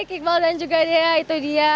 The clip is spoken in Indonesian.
baik iqbal dan juga dia itu dia